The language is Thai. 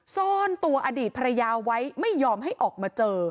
ซ่อนตัวอดีตภรรยาไว้ไม่ยอมให้ออกมาเจอ